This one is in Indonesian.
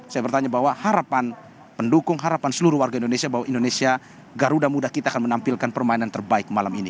saya bertanya bahwa harapan pendukung harapan seluruh warga indonesia bahwa indonesia garuda muda kita akan menampilkan permainan terbaik malam ini